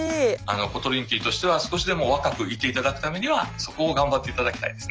コトリンキーとしては少しでも若くいていただくためにはそこを頑張っていただきたいですね。